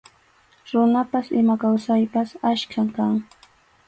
Runapas ima kawsaypas achkam kan.